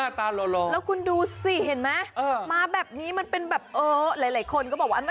ตาหล่อแล้วคุณดูสิเห็นไหมมาแบบนี้มันเป็นแบบเออหลายคนก็บอกว่า